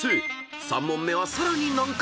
［３問目はさらに難関］